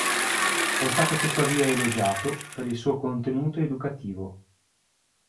È stato tuttavia elogiato per il suo contenuto educativo.